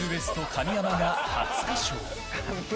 神山が初歌唱！